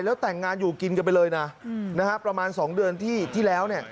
แล้วแต่งงานอยู่กินกันไปเลยนะประมาณ๒เดือนที่แล้ว